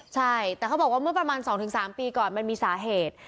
ใช่แต่เขาบอกว่าเมื่อประมาณ๒๓ปีก่อนมันมีสาเหตุ